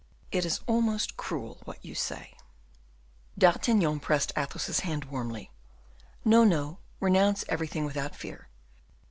"It is almost cruel what you say." D'Artagnan pressed Athos's hand warmly. "No, no; renounce everything without fear.